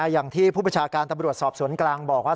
อย่างที่ผู้ประชาการตำรวจสอบสวนกลางบอกว่า